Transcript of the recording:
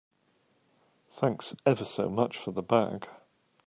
Thanks ever so much for the bag.